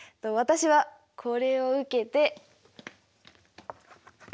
私はこれを受けて。